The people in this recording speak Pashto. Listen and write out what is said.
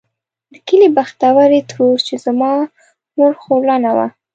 د کلي بختورې ترور چې زما مور خورلڼه وه.